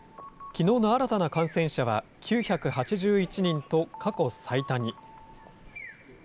きのうの新たな感染者は９８１人と、過去最多に。